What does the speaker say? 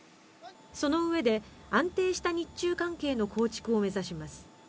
そのうえで安定した日中関係の構築を目指します。